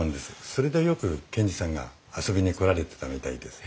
それでよく賢治さんが遊びに来られてたみたいです。